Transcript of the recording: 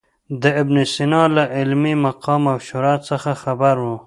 د ابن سینا له علمي مقام او شهرت څخه خبر و.